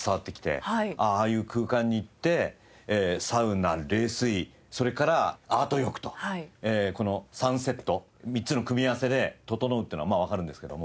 ああいう空間に行ってサウナ冷水それからアート浴とこの３セット３つの組み合わせでととのうっていうのはまあわかるんですけども。